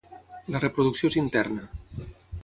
La reproducció és interna.